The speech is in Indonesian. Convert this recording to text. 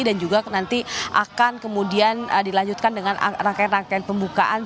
dan juga nanti akan kemudian dilanjutkan dengan rangkaian rangkaian pembukaan